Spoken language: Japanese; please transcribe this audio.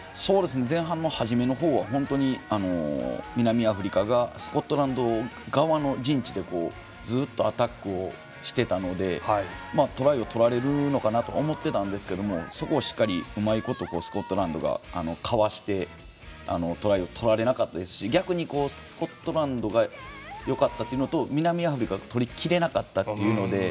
前半も初めの方は本当に、南アフリカがスコットランド側の陣地でずっとアタックをしてたのでトライを取られるかなと思ってたんですけれどもそこをしっかりうまいことスコットランドがかわしてトライを取られなかったですし逆にスコットランドがよかったっていうのと南アフリカが取りきれなかったというので。